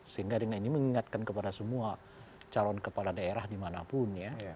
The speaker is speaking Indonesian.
sehingga dengan ini mengingatkan kepada semua calon kepala daerah dimanapun ya